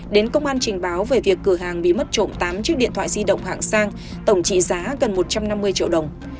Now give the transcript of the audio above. đến công an trình báo về việc cửa hàng bị mất trộm tám chiếc điện thoại di động hạng sang tổng trị giá gần một trăm năm mươi triệu đồng